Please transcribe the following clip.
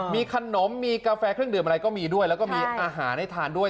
มีขนมมีกาแฟเครื่องดื่มอะไรก็มีด้วยแล้วก็มีอาหารให้ทานด้วย